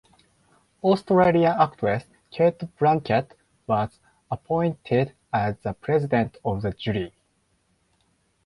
Australian actress Cate Blanchett was appointed as the President of the Jury.